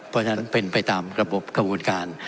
เพราะฉะนั้นเป็นไปตามระบบกระบวนการ